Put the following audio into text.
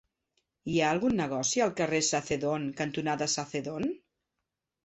Hi ha algun negoci al carrer Sacedón cantonada Sacedón?